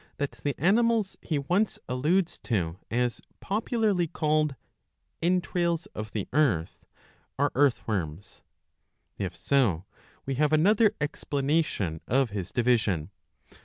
XXVll that the animals he once ^ alludes to as popularly called " entrails of the earth " are earth worms. If so, we have another explanation of his division.